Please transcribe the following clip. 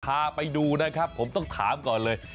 พาไปดูนะครับผมต้องถามก่อนเลย